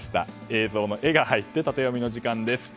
映像の「エ」が入ってタテヨミの時間です。